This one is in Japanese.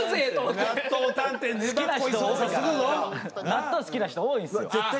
納豆好きな人多いんすよ。